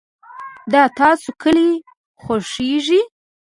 د تاسو کلي خوښیږي؟